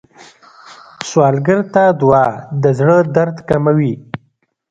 سوالګر ته دعا د زړه درد کموي